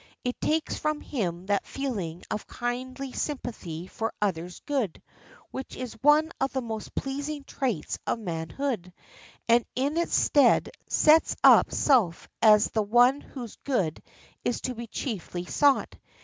It takes from him that feeling of kindly sympathy for others' good, which is one of the most pleasing traits of manhood, and in its stead sets up self as the one whose good is to be chiefly sought.